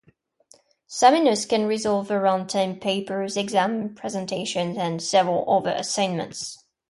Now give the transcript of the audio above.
Seminars can revolve around term papers, exams, presentations, and several other assignments.